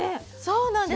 そうなんです。